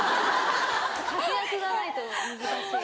確約がないと難しい。